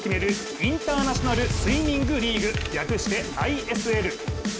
インターナショナル・スイミング・リーグ、略してＩＳＬ。